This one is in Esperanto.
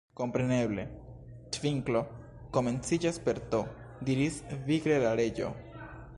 "Kompreneble 'tvinklo' komenciĝas per T" diris vigle la Reĝo.